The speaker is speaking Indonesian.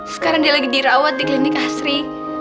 sekarang dia lagi dirawat di klinik asri